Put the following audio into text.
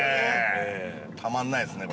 たまんないですね、これ。